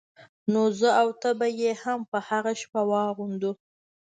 نو زه او ته به يې هم په هغه شپه واغوندو.